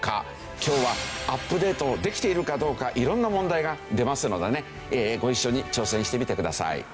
今日はアップデートできているかどうか色んな問題が出ますのでねご一緒に挑戦してみてください。